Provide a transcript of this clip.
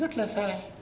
rất là sai